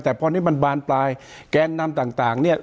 แต่พอนี้มันบานปลายแกนนำต่างเนี่ย